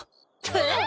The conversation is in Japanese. えっ！？